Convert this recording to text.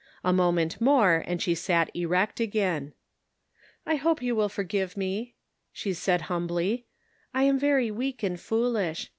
A moment more and she sat erect again. " I hope you will forgive me," she said hum bly ;" I am very weak and foolish.